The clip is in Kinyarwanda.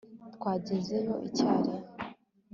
twagezeyo icyarimwe